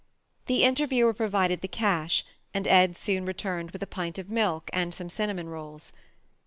The interviewer provided the cash and Ed soon returned with a pint of milk and some cinnamon rolls.